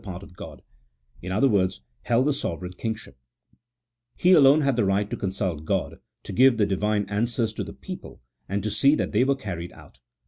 221 part of God ; in other words, held the sovereign kingship : he alone had the right to consnlt God, to give the Divine answers to the people, and to see that they were carried out.